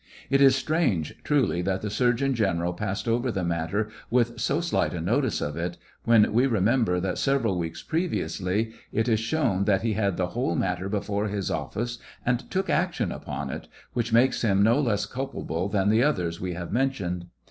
It is strange, truly, that the surgeon general passed over the matter with so slight a notice of it, when we remember that, 'several weeks previously, it is shown that he had the whole matter before his office and took action upon it, which makes him no less culpable than the others we have mentioned.